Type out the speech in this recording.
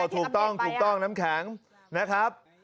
ถูกต้องถูกต้องน้ำแข็งนะครับ